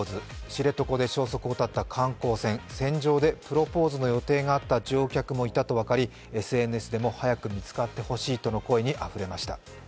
知床で消息を絶った観光船、船上でプロポーズの予定があった乗客もいたと分かり、ＳＮＳでも早く見つかってほしいとの声にあふれました。